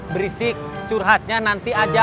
berisik surhatnya nanti aja